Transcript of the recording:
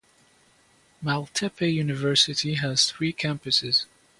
Maltepe University has three campuses.